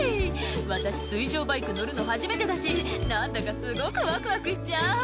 「私水上バイク乗るの初めてだし何だかすごくワクワクしちゃう」